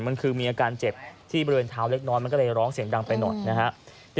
มันคือมีอาการเจ็บที่บริเวณเท้าเล็กน้อยมันก็เลยร้องเสียงดังไปหน่อยนะครับ